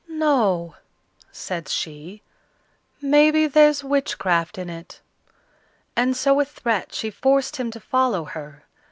"No," said she, "maybe there's witchcraft in it;" and so with threats she forced him to follow her.